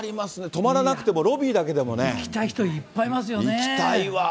泊まらなくても、ロビーだけでも行きたい人、いっぱいいます行きたいわ。